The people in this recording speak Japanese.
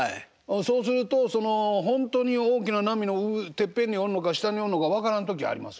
そうすると本当に大きな波のてっぺんにおるのか下におるのか分からん時あります？